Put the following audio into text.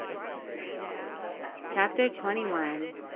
CHAPTER TWENTY ONE.